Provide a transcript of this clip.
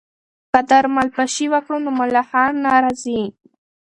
که درمل پاشي وکړو نو ملخان نه راځي.